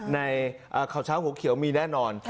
ในข่าวเช้าหัวเขียวมีแน่นอน